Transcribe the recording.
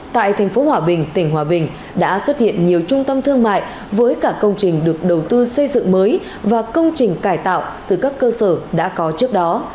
tại thành phố hòa bình tỉnh hòa bình đã xuất hiện nhiều trung tâm thương mại với cả công trình được đầu tư xây dựng mới và công trình cải tạo từ các cơ sở đã có trước đó